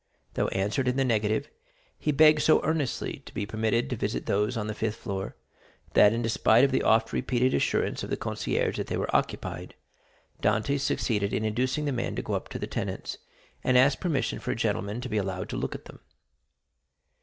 Though answered in the negative, he begged so earnestly to be permitted to visit those on the fifth floor, that, in despite of the oft repeated assurance of the concierge that they were occupied, Dantès succeeded in inducing the man to go up to the tenants, and ask permission for a gentleman to be allowed to look at them.